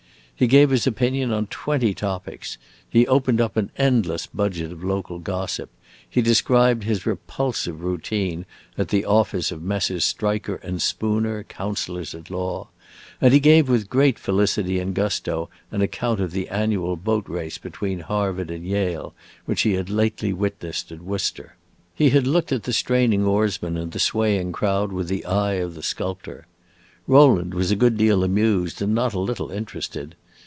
He gave his opinion on twenty topics, he opened up an endless budget of local gossip, he described his repulsive routine at the office of Messrs. Striker and Spooner, counselors at law, and he gave with great felicity and gusto an account of the annual boat race between Harvard and Yale, which he had lately witnessed at Worcester. He had looked at the straining oarsmen and the swaying crowd with the eye of the sculptor. Rowland was a good deal amused and not a little interested.